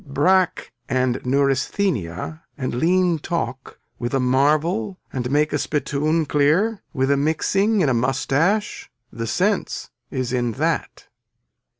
Brack and neuresthenia and lean talk with a marvel and make a spittoon clear with a mixing in a mustache. The sense is in that.